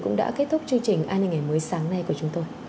cũng đã kết thúc chương trình an ninh ngày mới sáng nay của chúng tôi